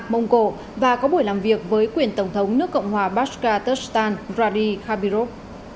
mông cổ và có buổi làm việc với quyền tổng thống nước cộng hòa bashkortostan vladi khabirov